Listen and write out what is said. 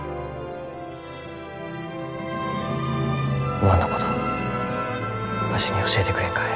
おまんのことわしに教えてくれんかえ？